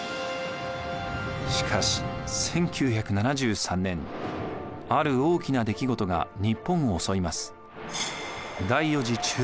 しかし１９７３年ある大きな出来事が日本を襲います。